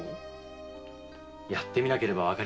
やってみなければわかりません。